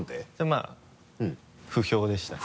まぁ不評でした。